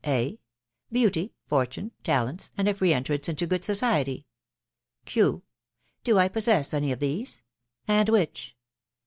A, Beauty, fortune, talents, and a free entrance into good society. Q. Do I possess any of these ?.... and which